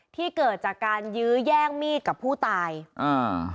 ที่เกิดจากการยื้อแย่งมีดกับผู้ตายอ่า